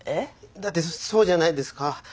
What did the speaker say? だってそうじゃないですか。